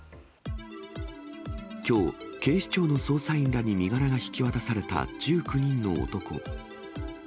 きょう、警視庁の捜査員らに身柄が引き渡された１９人の男。